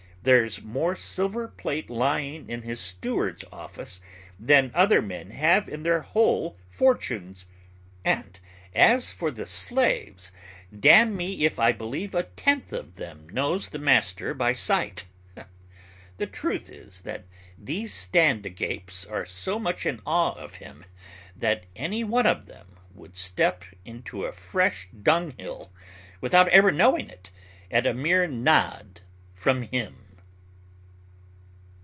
There's more silver plate lying in his steward's office than other men have in their whole fortunes! And as for slaves, damn me if I believe a tenth of them knows the master by sight. The truth is, that these stand a gapes are so much in awe of him that any one of them would step into a fresh dunghill without ever knowing it, at a mere nod from him!"